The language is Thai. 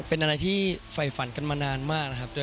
เป็นอะไรที่ฝ่ายฝันกันมานานมากนะครับ